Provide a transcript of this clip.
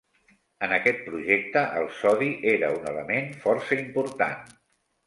En aquest projecte, el sodi era un element força important.